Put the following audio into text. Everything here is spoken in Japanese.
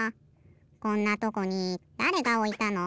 こんなとこにだれがおいたの？